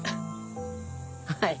はい。